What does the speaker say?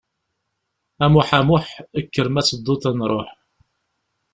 A Muḥ a Muḥ, kker ma tedduḍ ad nṛuḥ.